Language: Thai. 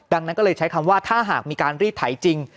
ดังนั้นก็เลยใช้คำว่าถ้าหากมีการรีดไถจริง